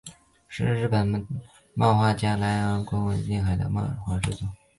是日本漫画家濑尾公治创作的恋爱漫画作品。